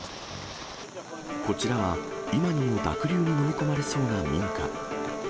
こちらは、今にも濁流に飲み込まれそうな民家。